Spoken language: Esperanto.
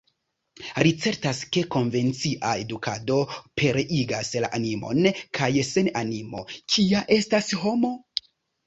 Li certas, ke konvencia edukado pereigas la animon, kaj sen animo, kia estas homo?